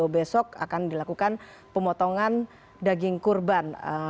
besok akan dilakukan pemotongan daging kurban